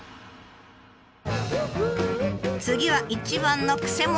次は一番のくせ者。